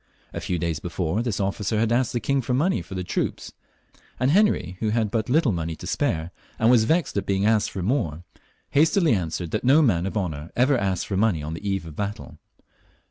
A few days before, this officer had asked the king for money for the troops, and Henry, who had but little money to spare, and was vexed at being asked for more, hastily answered that no man of honour ever asked for money on the eve of a battle.